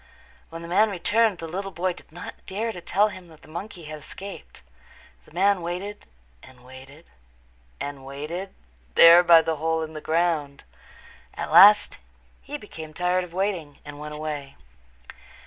When the man returned the little boy did not dare to tell him that the monkey had escaped. The man waited and waited and waited there by the hole in the ground. At last he became tired of waiting and went away.